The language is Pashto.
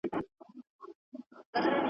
په سپینه ورځ راځم په شپه کي به په غلا راځمه `